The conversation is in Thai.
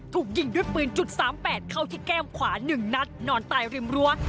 ถูกยิงด้วยปืน๓๘เข้าที่แก้มขวา๑นัดนอนตายริมรั้ว